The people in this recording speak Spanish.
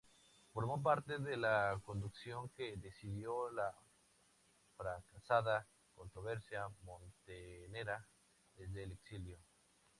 Formó parte de la conducción que decidió la fracasada contraofensiva montonera desde el exilio.